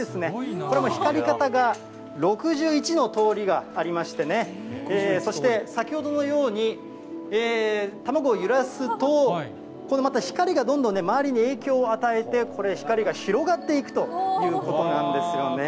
これ、もう光り方が６１の通りがありましてね、そして、先ほどのように卵を揺らすと、このまた光がどんどん周りに影響を与えて、これ、光が広がっていくということなんですよね。